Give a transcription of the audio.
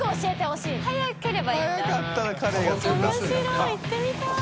面白い行ってみたい。